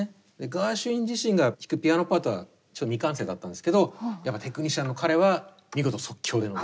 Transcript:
ガーシュウィン自身が弾くピアノパートはちょっと未完成だったんですけどやっぱテクニシャンの彼は見事即興で乗り切ったと。